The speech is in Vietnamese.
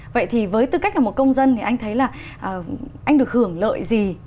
vậy thì với tư cách là một công dân thì anh thấy là anh được hưởng lợi gì